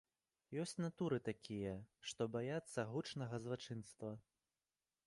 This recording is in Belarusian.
Ёсць натуры такія, што баяцца гучнага злачынства.